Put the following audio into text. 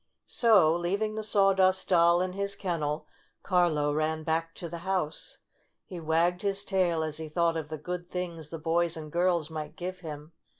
So, leaving the Sawdust Doll in his ken nel, Carlo ran back to the house. He wagged his tail as he thought of the good things the boys and girls might give him.